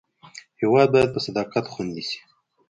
هېواد باید په صداقت خوندي شي.